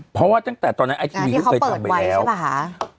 เพราะว่าตั้งแต่ตอนนั้นไอทีวีดูเคยทำไปแล้วอ่าที่เขาเปิดไว้ใช่ป่ะฮะ